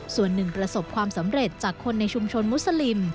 ส่วนหนึ่งประสบความสำเร็จจากคนในชุมชนมุสลิม